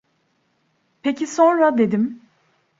Peki, sonra? dedim.